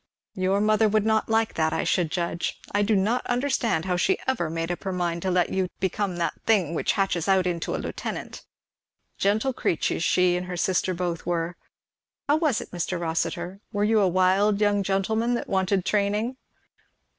"Your mother would not like that, I should judge. I do not understand how she ever made up her mind to let you become that thing which hatches out into a lieutenant. Gentle creatures she and her sister both were. How was it, Mr. Rossitur? were you a wild young gentleman that wanted training?"